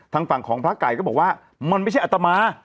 ทางฝั่งของพระไก่ก็บอกว่ามันไม่ใช่อัตมา